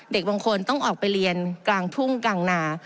เด็กบางคนต้องออกไปเรียนกลางทุ่งกลางนา